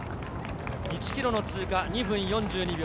１ｋｍの通過２分４２秒。